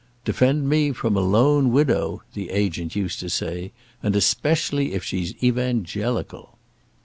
"Defend me from a lone widow," the agent used to say, "and especially if she's evangelical."